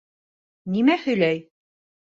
— Нимә һөйләй?